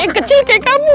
yang kecil kayak kamu